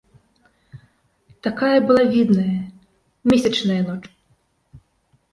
Такая была відная, месячная ноч.